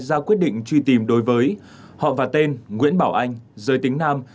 ra quyết định truy tìm đối với họ và tên nguyễn bảo anh giới tính nam